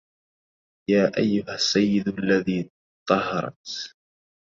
يا أيها السيد الذي طهرت